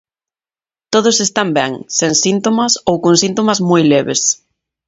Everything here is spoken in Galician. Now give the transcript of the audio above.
Todos están ben, sen síntomas ou con síntomas moi leves.